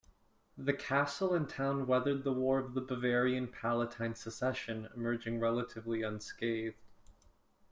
The castle and town weathered the War of the Bavarian-Palatine Succession, emerging relatively unscathed.